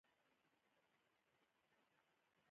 په دې صورت کې د دواړو طبقو ترمنځ ځانګړې اړیکې جوړیږي.